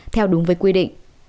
theo đúng với quy định